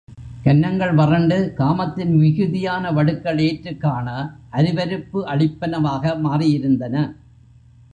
கன்னங்கள் வறண்டு, காமத்தின் மிகுதியான வடுக்கள் ஏற்று காண அருவருப்பு அளிப்பனவாக மாறியிருந்தன.